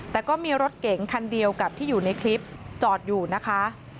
แต่ก็มีรถเก๋งคันเดียวกับที่อยู่ในคลิปจอดอยู่นะคะ